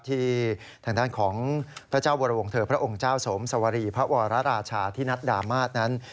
ทางด้านของพระเจ้าวรวงเถอพระองค์เจ้าสมสวรีพระวรราชาธินัดดามาศนั้น